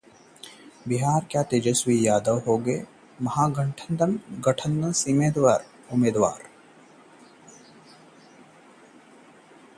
बिहार: क्या तेजस्वी यादव होंगे विधानसभा चुनाव में महागठबंधन के सीएम उम्मीदवार?